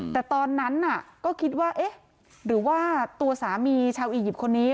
แต่ตอนนั้นก็คิดว่าเอ๊ะหรือว่าตัวสามีชาวอียิปต์คนนี้